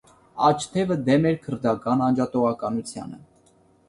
Աջ թևը դեմ էր քրդական անջատողականությանը։